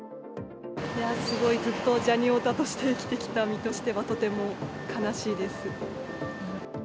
すごいずっとジャニオタとして生きてきた身としては、とても悲しいです。